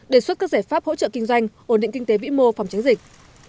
đề xuất các giải pháp hỗ trợ kinh doanh ổn định kinh tế vĩ mô phòng tránh dịch